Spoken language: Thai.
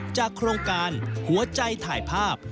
โครงการหัวใจถ่ายภาพ